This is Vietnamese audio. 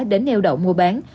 đến eo đậu mua bán